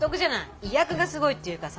意訳がすごいっていうかさ。